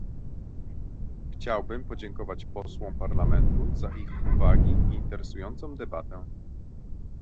Chciałbym podziękować posłom Parlamentu za ich uwagi i interesującą debatę